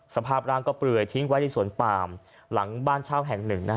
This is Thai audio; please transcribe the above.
สภาพร่างก็เปลือยทิ้งไว้ในสวนปามหลังบ้านเช่าแห่งหนึ่ง